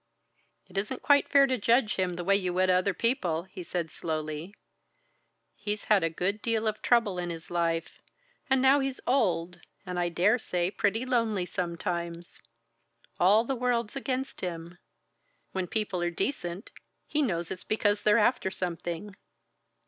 "It isn't quite fair to judge him the way you would other people," he said slowly. "He's had a good deal of trouble in his life; and now he's old, and I dare say pretty lonely sometimes. All the world's against him when people are decent, he knows it's because they're after something.